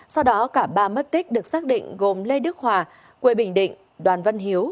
sau đó cả ba mất tích được xác định gồm lê đức hòa quê bình định đoàn văn hiếu